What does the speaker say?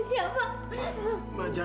taufan gak mungkin